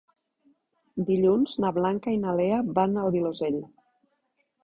Dilluns na Blanca i na Lea van al Vilosell.